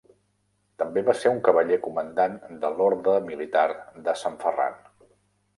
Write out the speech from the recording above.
També va ser un cavaller comandant de l'Orde militar de Sant Ferran.